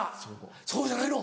そうじゃないの？